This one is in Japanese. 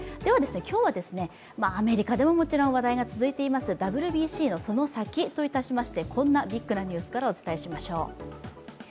今日は、アメリカでももちろん話題が続いていますＷＢＣのそのサキといたしまして、こんなビッグなニュースからお伝えしましょう。